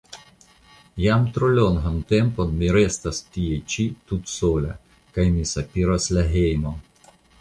Jam tro longan tempon mi restas tie ĉi tutsola, kaj mi sopiras la hejmon.